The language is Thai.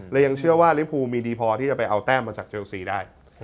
ยังเชื่อว่าลิภูมีดีพอที่จะไปเอาแต้มมาจากเชลซีได้